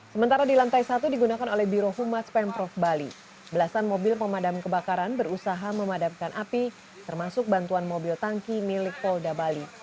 sementara di lantai satu digunakan oleh birohumas pemprov bali belasan mobil pemadam kebakaran berusaha memadamkan api termasuk bantuan mobil tangki milik polda bali